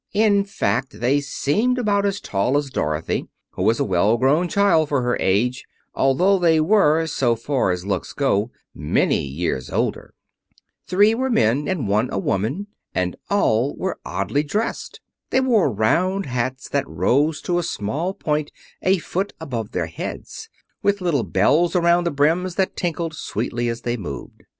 In fact, they seemed about as tall as Dorothy, who was a well grown child for her age, although they were, so far as looks go, many years older. Three were men and one a woman, and all were oddly dressed. They wore round hats that rose to a small point a foot above their heads, with little bells around the brims that tinkled sweetly as they moved.